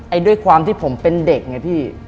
ด้วยความที่ผมเป็นเด็กไงพี่